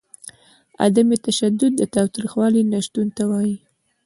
عدم تشدد د تاوتریخوالي نشتون ته وايي.